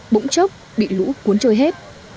bỗng chốc bị lũ cuốn trôi hết